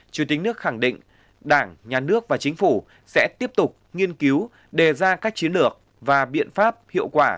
chủ tịch nước khẳng định đảng nhà nước và chính phủ sẽ tiếp tục nghiên cứu đề ra các chiến lược và biện pháp hiệu quả